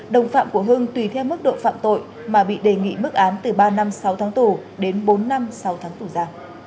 đồng phạm của hưng tùy theo mức độ phạm tội mà bị đề nghị mức án từ ba năm sáu tháng tù đến bốn năm sau tháng tù ra